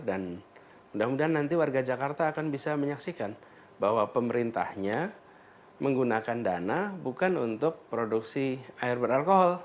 dan mudah mudahan nanti warga jakarta akan bisa menyaksikan bahwa pemerintahnya menggunakan dana bukan untuk produksi air beralkohol